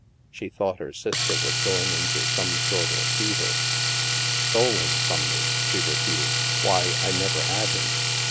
She thought her sister was going into some sort of fever. " Stole him from me ?" she repeated. " Why, I never had him."